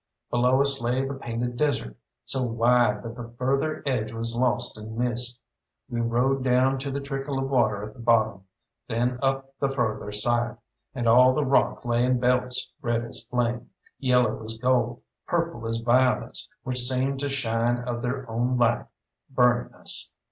Below us lay the Painted Desert, so wide that the further edge was lost in mist. We rode down to the trickle of water at the bottom, then up the further side, and all the rock lay in belts red as flame, yellow as gold, purple as violets, which seemed to shine of their own light, burning us.